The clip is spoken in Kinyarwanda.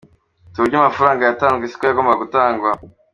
Ati “Uburyo amafaranga yatanzwe siko yagombaga gutangwa.